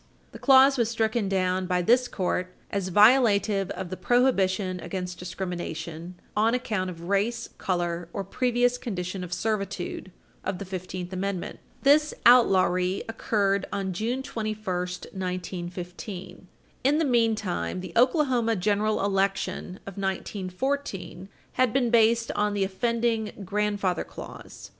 The clause was stricken down by this Court as violative of the prohibition against discrimination "on account of race, color or previous condition of servitude" of the Fifteenth Amendment. This outlawry occurred on June 21, 1915. In the meantime, the Oklahoma general election of 1914 had been based on the Page 307 U. S. 270 offending "grandfather clause."